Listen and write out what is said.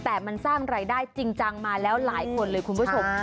แต่มันสร้างรายได้จริงจังมาแล้วหลายคนเลยคุณผู้ชม